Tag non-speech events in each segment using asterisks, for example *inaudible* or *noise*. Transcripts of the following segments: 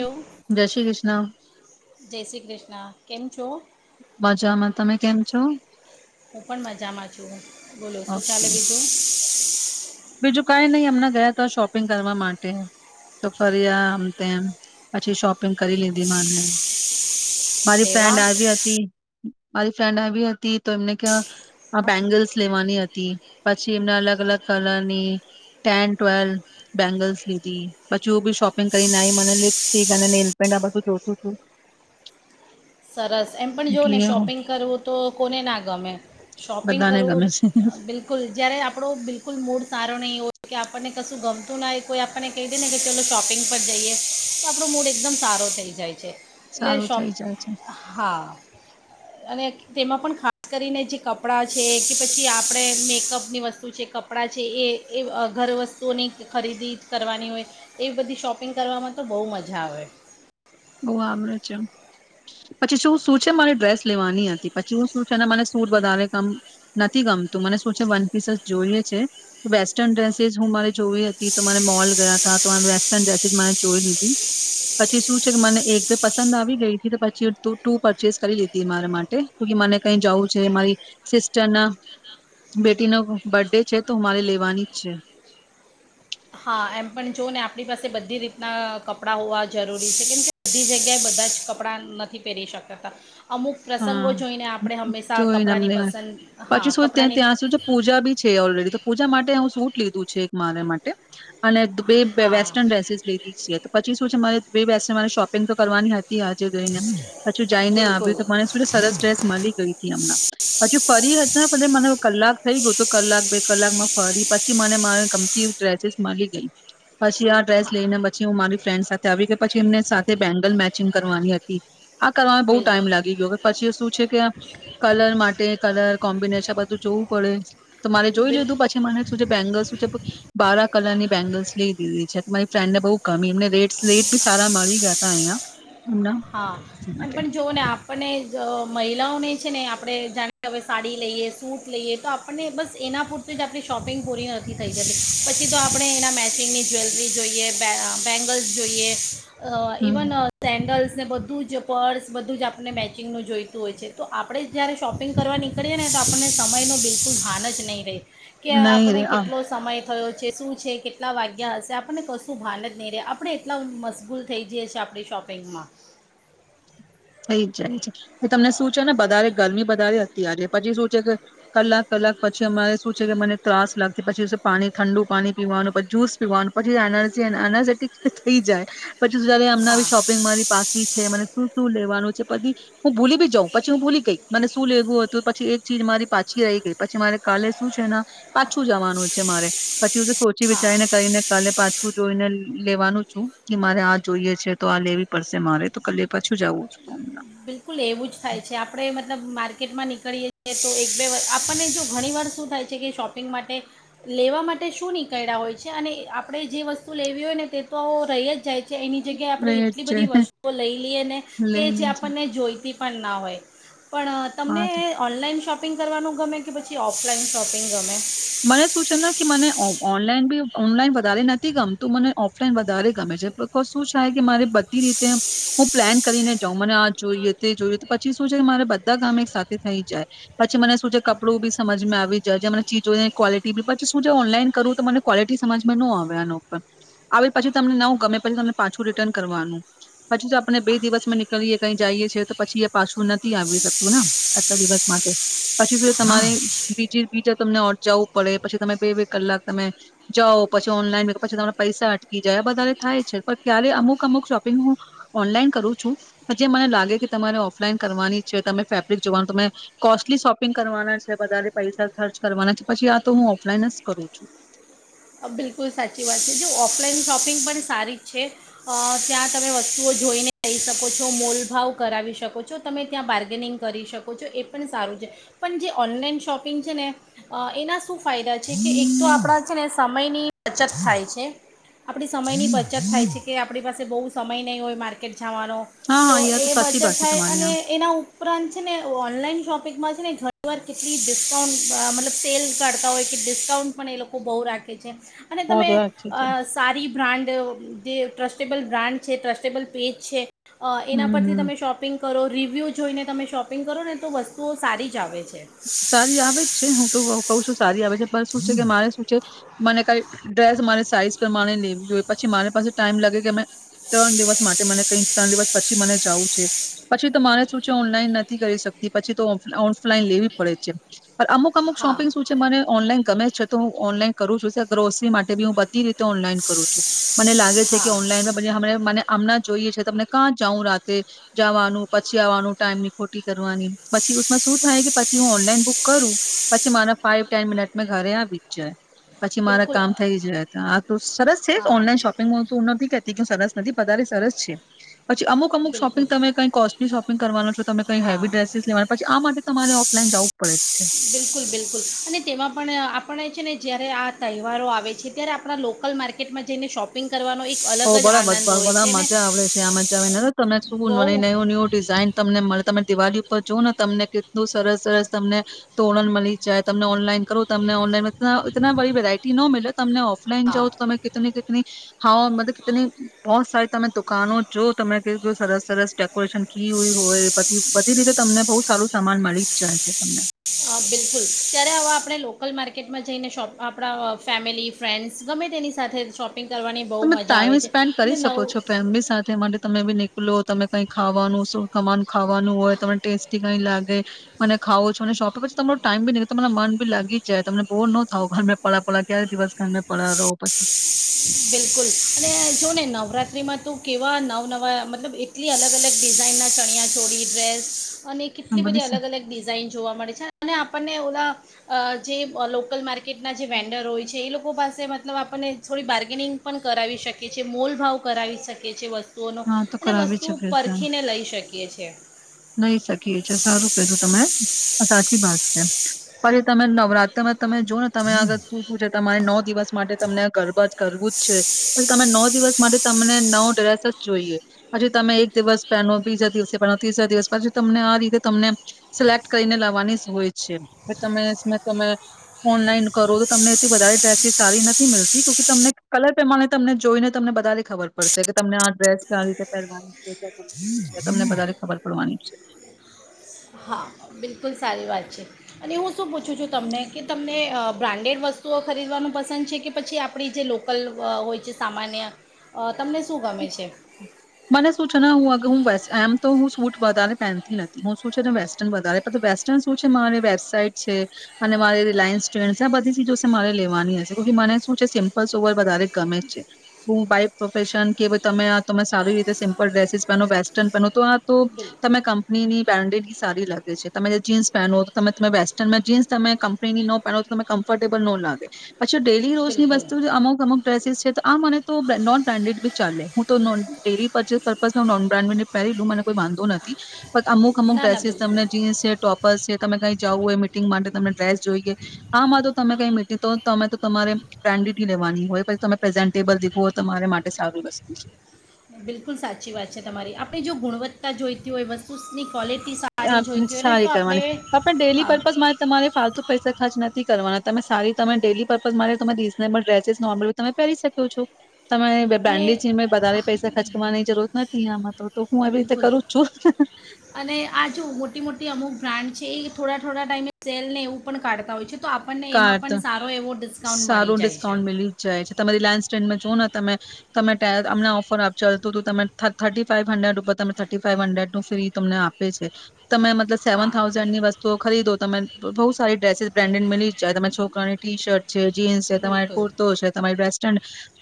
લો, જય શ્રી કૃષ્ણ જય શ્રી ક્રિષ્ના. કેમ છો? મજામાં, તમે કેમ છો? હું પણ મજામાં છું, બોલો શું ઓકે ચાલે બીજું? બીજું કઈ નહી અમણા ગયા તો શોપિંગ કરવા માટે, તો ફરી આમ તેમ પછી શોપિંગ કરી લીધી માને. મારી અરે ફ્રેન્ડ વાહ આવી હતી. મારી ફ્રેન્ડ આવી હતી તો એમને કયા આ બેંગલ્સ લેવાની હતી પછી એમને અલગ અલગ કલરની ટેન ટ્વેલ્વ બેંગલ્સ લીધી પછી ઉ શોપિંગ કરીને આવી મને લિપસ્ટિક અને નેલપેન્ટ આ બધું જોતું થું. સરસ એમ પણ જો ને શોપિંગ કરવું તો કોને ના ગમે શોપિંગ બધાને ગમે કરવું છે બિલકુલ જ્યારે આપણો બિલકુલ મૂડ સારો નહીં હોય કે આપણને કશું ગમતું ના કોઈ આપણને કહી દે ને કે ચલો શોપિંગ પર જઈએ તો આપણું મૂડ એકદમ સારો થઈ જાય છે. એટલે સારું શોપ થઈ જાય છે. હા, અને તેમાં પણ ખાસ કરીને જે કપડાં છે કે પછી આપણે મેકઅપની વસ્તુ છે કપડાં છે એ એ ઘર વસ્તુઓની ખરીદી કરવાની હોય, એવી બધી શોપિંગ કરવામાં તો બઉ મજા આવે. *unintelligible* આવડે છે. પછી શું શું છે મારે ડ્રેસ લેવાની હતી પછી હુ શું છે મને સૂર વધારે નથી ગમતું મને શું છે વન પીસસ જોઈએ છે, વેસ્ટર્ન ડ્રેસીસ હું મરે જોવી હતી તો મને મોલ ગયા હા તો વેસ્ટર્ન ડ્રેસીસ મ જોઈ લીધી, પછી શું છે મને એક બે પસંદ આવી ગઈ હતી તો પછી તું ટુ પરચેસ કરી લીધી મારા માટે કે કે મને કઈ જવું છે મારી, સિસ્ટર ના બેટીનો બર્ ડે છે તો મારે લેવાની જ છે. હા એમ પણ જો ને આપણી પાસે બધી રીતના કપડાં હોવા જરૂરી છે કેમ કે બધી જગ્યાએ બધા જ કપડાં નથી પહેરી શકતા. અમુક હ, પ્રસંગો જોઈને આપણે હંમેશા જોઈને કપડાંની અમને, પસંદ હા પછી શું તે કપડાંની ત્યાં શુ છે પૂજા બી છે ઓલરેડી પૂજા માટે હું સૂટ લીધું છે એક મારે માટે, અને બે બે હા વેસ્ટર્ન ડ્રેસીસ લીધી છી તો પ થીશું છે મારે બે વેસથી મારે શોપિંગ તો કરવાની હતી તી આજે ગઈને, પાછું જઈને બિલકુલ આવું સરસ સ્ટ્રેસ મળી ગઈ હતી હમણાં. પાછું ફરી હતી ને પછી મને કલાક થઇ ગયો તો કલાક બે કલાક માં ફરી પછી મને મારે ગમતી ડ્રેસીસ મળી ગઈ, પછી આ ડ્રેસ લઈને પછી હું મારી ફ્રેન્ સાથે આવી ગઈ પછી એમને સાથે બેંગલ મેચિંગ કરવાની હતી. આ કરવાવામાં બોઉ ટાઈમ બિલકુલ લાગ પછી શું છે કે, કલર માટે કલર કોમ્બિનેશન બધું જોવું પડે તો મારે જોઈ બિલકુલ લીધું પછી મને બેંગલ્સ બારા કલરની બેંગલ્સ લઈ દીધી છે. મારી ફ્રેન્ડને બહુ ગમી એમ રેટ બી સારા મળી ગયા ત્યાં અહિયા. એમ પણ જોઓ ને આપ પણ એ મહિલાઓને છે ને આપણે જાણે હવે સાડી લઈ એ સૂટ લઈએ તો આપણને બસ એના પૂરતી જ આપણી શોપિંગ પૂરી નથી થઈ જતી, પછી તો આપણે એના મેચિંગની જ્વેલરી જોઈએ બે બેંગલ્સ જોઈએ. અ હમ ઇવન સેન્ડલ્સ બધું જ પર્સ બધું જ આપણને મેચિંગનું જોઈતું હોય છે તો આપણે જ જ્યારે શોપિંગ કરવા નીકળીએ ને તો આપણને સમયનો બિલકુલ ભાન જ નહીં રય. કે નહી આપણે રે આ કેટલો સમય થયો શું છે કેટલા વાગ્યા હશે આપણને કશું ભાન જ નહી ર આપણે એટલા મશબૂલ થઈ જઈએ છે આપણી શોપિંગમાં. થઇ જ જાય છે, તમને શું છે ને વધારે ગરમી વધારે અત્યારે પછી શું છે કે કલાક કલાક પછી અમારે શું છે કે મને ત્રાસ લાગતી પછી પાણી ઠંડુ પાણી પીવાનું પછી જ્યુસ પીવાનું પછી એનર્જી ર્એનર્જેટિક થઈ જાય. હા હમં શોપિંગ મારી પા છે મને શું શું લેવાનું પછી, હું ભૂલી બી જાઉં પછી હું ભૂલી ગઈ મને શું લેવું હતું પછી એક ચીજ મારી પાછી રહી ગઈ પછી મારે કાલે શું છેને, પાછું જવાનું છે મારે પછી હું સોચી હા વિચારીને કરીને કાલે પાછું જોઈને લેવાનું છું, કે મારે આ જોઈએ છે તો આ લેવી પડશે મારે તો કલે છું જાઉં છું. બિલકુલ એવું જ થાય છે આપડે મલબ માર્કેટમાં નીકળીએ છએ તો એક બે વર આપણને જો ઘણી વાર શું થાય છે કે શોપિંગ માટે, લેવા માટે શું નીકળ્યા હોય છે અને આપણે જે વસ્તુ લેવી હોય ને તે તો રહી જ જાય છે. એની જગ્યાએ લે આપણે એટલી છે બધી વસ્તુઓ લઈ લઈએ ને લે કે, લે જે છે આપણને પણ ના હોય. પણ હા તમને તો ઓનલાઈન શોપ શોપિંગ કરવાનું ગમે કે પછી ઓફલાઈન શોપિંગ ગમે? મને શું છેને કે મને ઓનલાઈન બી ઓનલાઈન વધારે નથી ગમતું મને ઓફલાઈન વધારે ગમે છે બકોઝ શું થાય કે મારે બધી રીતે હું પ્લાન કરીને જાઉં મને આ જોયએ તે જોયું તો પછી શું છે મારે બધા ગામ એક સાથે થઈ જાય પછી મને શું છે કપડું બી સમજમાં આવી જાય જે મને ચીજોને ક્વલિટી બી પછી શું ઓનલાઈન કરું તો મને ક્વોલિટી સમજમાં ન આવે આનો ઉપર આવે પછી તમને ન ગમે પછી તમને પાછું રિટર્ન કરવાનું પછી જો આપને બે દિવસમાં નીકળીએ કઈ જઈએ છે તો પછી એ પાછું નથી આવી શકતું ને આ દિવસ માટે પછી તમારે બીજી બીજા તમને જાવું પડે પછ તમે બે બે કલાક તમે જાઓ પછી ઓનલાઈન પછી તમારા પૈસા અટકી જાય બારે થાય છે પણ ક્યારે અમુક અમુક શોપિંગ હું ઓનલાઈન કરું છું જે મને લાગે કે તમારે ઓફલાઈન કરવાની છે તમે ફેબ્રિક જોવાનું તમે કોસ્ટલી શોપિંગ કરવાના છે વધારે પૈસા ખર્ચ કરવાના છે પછી તો હું ઓફલાઈન જ કરું છું. બિલકુલ સાચી વાત છે જો ઓફલાઈન શોપિંગ પણ સારી જ છે ત્યાં તમે વસ્તુઓ જોઈને લઈ શકો છો મોલભાવ કરાવી શકો છો તમે ત્યાં બાર્ગેનિંગ કરી શકો છો એ પણ સારું છે પણ જે ઓનલાઈન શોપિંગ છે ને એના શું ફાયદા છે કે એક તો આપણા છે ને સમયની બચત થાય છે આપણી સમયની બચત થાય છે કે આપણી પાસે બહુ સમય નહીં હોય માર્કેટ છમારો હા તો હા યા એ સાચી બચત વાત છે થાય તમારી અને હા એના ઉપરાંત ને ઓનલાઈન શોપિંગમાં છે ને ઘણી વાર કેટલી ડિસ્કાઉન્ટ મતલબ સલ કાઢતા હોય કે ડિસ્કાઉન્ટ પણ એ લોકો બહુ રાખ કે છે. અને તમે બહુત સાચી છે. સારી બ્રાન્ડ જે ટ્રસ્ટેબલ બ્રાન્ડ છે ટ્રસ્ટેબલ પેજ છે. અ હમ એના પરથી હમ તમે શોપિંગ કરો. રિવ્યૂ જોઈને તમે શોપિંગ કરો ને તો વસ્તુઓ સારી જ આવે છે. સારી આવે જ છે હું તો બઉ. કઉ શું સારી આવે. શું છે કે મારે શું છે મને કઈ ડ્રેસ મારી સાઈઝ માને લેવી જોય પછી મારી પાસે ટાઈમ લાગે કે ત્રણ દિવસ માટે મને કઈ ત્રણ દિવસ પછી મને જવું છે પછી તો માને શું છે ઓનલાઈન નથી કરી શકતી પછી તો ઓફલાઈન લેવી. પે છે. અમુક અમુક હા શોપિંગ શું છે મને ઓનલાઈન ગમે છે તો હું ઓનલાઈન કરું છું ગ્રોસરી માટે બી હું બધી રીતે ઓનલાઈન કરું છું મને લાગે છે કે હા ઓનલાઈન આમણા જોઈએ છે તમને ક્યાં જાઉં રાતે જવાનું પછી આવવાનું ટાઈમ ની ખોટી કરવાની પછીમાં શું થાય. પછી હું ઓનલાઈન બુક કરું પછી મારા ફાઈવ ટેન મિનટ મેં ઘરે આવી જ જાય. પછી મારા બિલકુલ કામ થઈ જ આ તો સરસ છે હા ઓનલાઈન શોપિંગ તો નથી કેતી સરસ નથી વધારે સરસ છે પછી અમુક અમક શોપિંગ બિલકુલ તમે કઈ કોષ્ટ શોપિંગ કરવાનો. તમે કઈ હા હેવી ડ્રેસ લેવાના આ માટે તમારે ઓફ લા જવું પડે જ છે. બિલકુલ બિલકુલ અને તેમાં પણ આપણે છે ને જય્યારે આ તહેવારો આવે છે ત્યારે આપણા લોકલ માર્કેટમાં જઈને શોપિંગ કરવાનો એક અલગ ઓ જ બરાબ આનંદ હોય બધા છે ને મજા આવેડે છે આમાં જને તમે શું બહુ નયું નયું ડિઝાઇન તમને મળે. તમે દિવાળી ઉપર જઓ ને તમને કેટલું સરસ સરસ તમને તોરણ મળી જાય તમને ઓનલાઈન કરો તમને ઓનલાઈન એ બી વેરાયટી ન મળે. તમને ઓફલાઈન હા જાઓ તો તમે કેટની હા મતલબ. તેની બહુ સારી તમે દુકાનો જો તને કે સરસ સરસ ડેકોરેશન ક હોયધી બધી રીતે તમને બહુ સારું સમાન મળી જ જાય છે તમને. અ, બિલકુલ ત્યારે હવે આપણે લોકલ માર્કેટમાં જઈને શોપ આપણા ફેમિલી ફ્રેન્ડ્સ ગમે તેની સાથે શોપ તમે ટાઈમ સ્પેન્ડ કરી શકો છો, ફેમિલી સાથે માટે. તમે બી નીકળો, તમે કઈ ખાવાનું શું કમા ખાવાનું હોય, તમને ટેસ્ટી કઈ લાગે મને ખાવો છો અને શોપ પછી તરો ટાઈમ બી નીકળ તમને મન બી લાગી જ જાય. તમને બોર ન થાવ. ઘર મે પળ પળા ક્યારે દિવસ ઘરમે પળા રહો પછી. બિલકુલ અને જો ને, નવરાત્રિમાં તું કેવા નવ નવા મતલબ એટલી અલગ અલગ ડિઝાઇનના ચણિયા ચોળી, ડ્રેસ. અને આ કેટલી બધી સ અલગ અલગ ડિઝાઇન જોવા મળે છે. અને, આપણને ઓલા જે લોકલ માર્કેટના જે વેન્ડર હોય છે. એ લોકો પાસે મતલબ આપણને થોડી બાર્ગેનિંગ પણ કરાવી શકે. કે જે મોલ ભાવ કરાવી શકે છે વસ્તુ. *inaudible* ઓનો હા તો અને કરાવી વસ્તુ પરખીને લઈ શકીએ છીએ. નહી શકીએ છે. સારું કીધું તમે સાચી વાત છે. પણ એ તમે નવરાત્રમાં તમે જો ને, તમે આગળ શું શું છે? તમારે નવ દિવસ માટે તમને ગરબા જ કરવું જ છે, પછ તમે નવ દિવસ માટે તમને નવ ડ્રેસ જ જોઈએ, પછી તમે એક દિવસ પેનો બીજા દિવસે પણ આ ત્રીસે દિવસ પછી તમને આ રીતે તમને સિલેક્ટ કરીને લાવવાની જ હોય છે. તમે, તમે ઓનલાઈન કરો તમને એથી વધારે ડ્રેસીસ સારી નથી મળતી. ક્યૂંકિ તમને કલર પેમાણે તમને જોઈને તમને બધારે ખબર પડશે, કે તમને આ ડ્રેસ *inaudible* રીતે પહેરવાની છે *inaudible* તમને બધારે ખબર. કરવાની છે. હા બિલકુલ સારી વાત છે. અને હું શું પૂછું છું? તમને કે, તમને બ્રાન્ડેડ વસ્તુઓ ખરીદવાનું પસંદ છે કે પછી, આપણી જે લોકલ હોય છે સામાન્ય તમને શું ગમે છે.? મને શું છે ને હું હું વેસ્ટ એમ તો હું સુૂટ વધારે પહેનતી નથી હું શું છે ને વેસ્ટર્ન વધારે વેસ્ટર્ન શું છે મારે વેબસાઇટ છે અને મારે રિલાયન્સ ટ્રેંડ છે આ બધી ચીજો મારે લેવાની હશે કે મને શું છે સિમ્પલસ સોબર વધારે ગમે છે. હું બાય પ્રોફેશન કે ભઈ તમેઆ તમે શું સારી રીતે સિમ્પલ ડ્રેસીસ પહેનો વેસ્ટર્ન પહેનો તો આ તો બિલ તમે કંપની ની બ્રાન્ડેડ સારી લાગે છે તમે જે જીન્સ પહેનો તમે તમે વેસ્ટર્નમાં જીન્સ તમે કંપનીની ન પહેનો તો તમે કમ્ફર્ટેબલ ન લાગે. અચ્છા ડેલી રોજની બિલકુલ વસ્તુ જે અમુક અમુક ડ્રેસીસ છે. તો આ મને તો નોન બ્રાન્ડેડ બી ચાલે. હું તો non daily purchase purpose non brand પહેરીલું મને કોઈ વાંધો નથી., અમુક અમુક ના ના ડ્રેસીસ તમે બિલકુલ જીન્સ છે, ટોપર્સ છે, તમે કઈ જવું હોય મિટિંગ માટે તમને ડ્રેસ જોઈએ, હામાં તો તમે કઈ મીટિ તો તમે તો તમારે બ્રાન્ડેડ લેવાની હોય, પછી તમે પ્રેઝન્ટેબલ દેખો હોય તમારે માટે સારી વસ્તુ છે. બિલકુલ સાચી વાત છે તમારી, આપણે જો ગુણવત્તા જોઈતી હોય વસ્તુની. ક્વોલિટી સારી જોઈતી હોય ને સારી તો આપણે કરવાની પણ ડેલી હા પર્પઝ માં તમારે ફાલતુ. પૈસા ખર્ચ નથી કરવાના, તમે સારી તમે ડેલી પર્પઝ માટે તમે રીઝનેબલ ડ્રેસીસ નોર્મલ તમે પહેરી શકો છો. તમારે અને બાન્ડેડ ચીઝમે વધારે પૈસા ખર્ચ. કરવાની જરૂરત નથી આમાં. તો તો હું એવી રીતે બિલકુલ કરું જ છું. તો મોટી મોટી અમુક બ્રાન્ડ છે. એ થોડા થોડા ટાઈમે સેલ ને એવું પણ કાઢતા હોય છે. તો આપણને એમાં કાર પણ તો સારો એવો ડિસ્કાઉન્ટ મળી સારું જાય છે. ડિસ્કાઉન્ટ મિલી જ જાય છે તમે રિલાયન્સ ટ્રેંડમાં જુઓ ને તમે તમે અમને ઓફર આપ ચાલતું તો તમે થર્ટી ફાઈવ હન્ડ્રેડ ઉપર તમે થર્ટી ફાાઈવ હન્ડ્રેડ નું ફ્રી તમને આપે છે. તમે મતલબ હા સેવન થાઉઝન્ડ ની વસ્તુ તો ખરીદો તમે બહુ સારી ડ્રેસિસ બ્રાન્ડેડ મલી ચાહે તમારા છોકરા ની ટી શર્ટ છે. જીન્સ છે, તમારી બિલકુલ કુર્તો છે, તમારી ડ્રેસ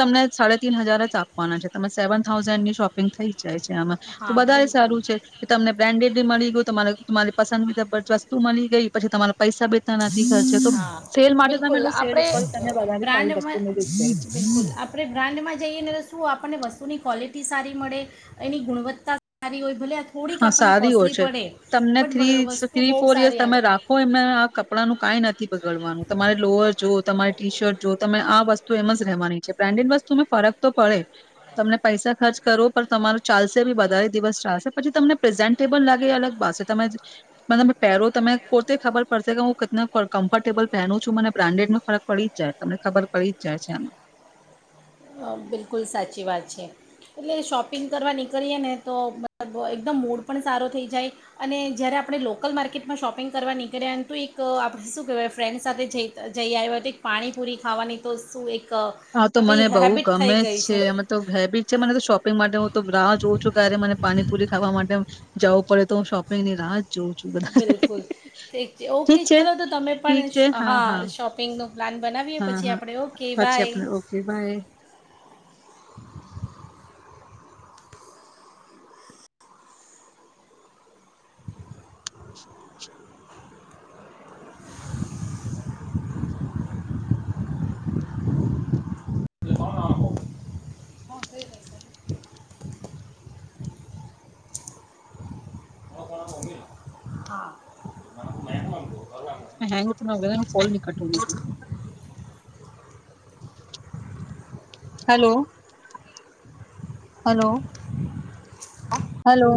તમને સાડેતીન હજાર જ આપવાના છે. તમે સેવન થાઉઝન્ડ ની શોપિંગ થઈ જાય છે આમાં, હા તો વધારે બિલકુલ સારું છે કે, તમને બ્રાન્ડેડ તે મળી ગયું તમારે તમારી પસંદવિધા *inaudible* વસ્તુ મળી ગઈ પછી તમારે પૈસા બેતા નાથી ખર્ચે તો હા, સેલ માટે તમે બિલકુલ લો સેલ આપડે ઉપર તમને અહ વધારે સારી બ્રાન્ડ વસ્તુ મેં મળી જ જાય છે. બિલકુલ આપડે બ્રાન્ડમાં જઈએને શું આપને વસ તોની ક્વૉલિટી સારી મળે એની ગુણવત્તા સારી હોય ભલે થોડીક હા, આપણને સારી ઓ કોસ્ટલી છે. પડે તમને બટ થ્રી વસ્તુ થ્રી બહુ ફોર ઇયર્સ સારી આવે તમે રાખો એમે આ કપડાંનું કાંઈ નથી બગડવાનું. તમારે લોઅર જો તમારે ટી શર્ટ જો તમે આ વસ્તુ એમ જ રવાની છે બ્રાન્ડેડ વસ્તુ ફરક તો પડે તમને પૈસા ખર્ચ કરો પણ તમારો ચાલશે બી વધારે દિવસ ચાલશે પછી તમને પ્રેઝન્ટેબલ લાગે એ અલગ બાસ છે. તમે જે મતલબ મેં પહેરો તમેં પોતે ખબર પડશે કે હું કિતના કમ્ફર્ટેબલ પેહેનુ છું મને બ્રાન્ડેડમાં ફરક પડી જ જાય, તમને ખબર પડી જ જાય છે આમાં. અ, બિલકુલ સાચી વાત છે એટલે શોપિંગ કરવા નીકળીએ ને તોબ *inaudible* એકદમ મૂડ પણ સારો થઈ જાય અને જ્યારે આપણે લોકલ માર્કેટમાં શોપિંગ કરવા નીકળ્યાએને તો એક આપણે શું કહેવાય ફ્રેન્ડ સાથે જઈ જઈ આવ્યા હોય તો એક પાણીપુરી ખાવાની તો શું એક અ, હા તો આપણી મને બઉ હેબિટ ગ થઈ ગમે ગઈ છે મ તો હેબિટ છે મને તો શોપિંગ માટે હું તો રારહ જો છું ક્યારે મને પાણીપુરી ખાવા માટે જવું પડે તો હું શોપિંગ ની રાહ જ જોઉં છું વધારે. બિલકુલ, ઠીક છે. ઓકે ઠીક છે, ચાલો તો તમે શ પણ હા શોપિંગનું પ્લાન બનાવીએ હા, પછી હા. આપણે ઓકે પછી બાય. આપણે ઓકે બાય. હા હા હેંગ ઉ તો ના એ કોલ નઈ કાટું એતો હેલો, હલો. હલો.